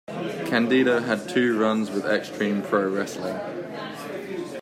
Candido had two runs with Xtreme Pro Wrestling.